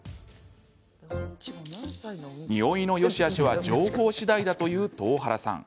匂いのよしあしは情報次第だという東原さん。